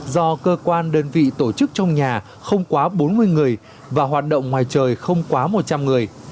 do cơ quan đơn vị tổ chức trong nhà không quá bốn mươi người và hoạt động ngoài trời không quá một trăm linh người